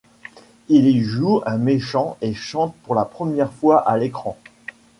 Il y joue un méchant et chante pour la première fois à l’écran.